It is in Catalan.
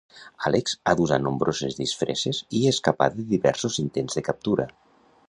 Alex ha d'usar nombroses disfresses i escapar de diversos intents de captura.